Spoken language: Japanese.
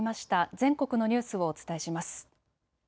全国のニュースをお伝えします。